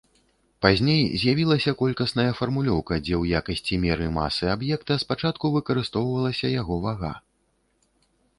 Пазней з'явілася колькасная фармулёўка, дзе ў якасці меры масы аб'екта спачатку выкарыстоўвалася яго вага.